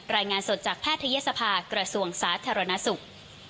รายงานสดจากแพทย์เยษภาคกระทรวงศาสตร์ธรรณสุข